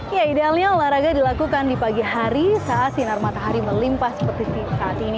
ya idealnya olahraga dilakukan di pagi hari saat sinar matahari melimpah seperti saat ini